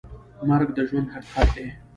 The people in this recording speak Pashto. مرګ د ژوند حقیقت دی